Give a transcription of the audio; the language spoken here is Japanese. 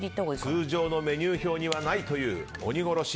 通常のメニュー表にはないという鬼殺し。